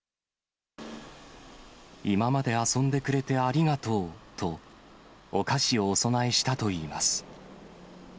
今まで遊んでくれてありがとうと、お菓子をお供えしたといいます。